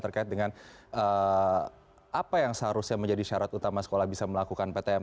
terkait dengan apa yang seharusnya menjadi syarat utama sekolah bisa melakukan ptm